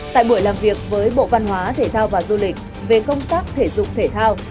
tại buổi làm việc với bộ văn hóa thể thao và du lịch về công tác thể dục thể thao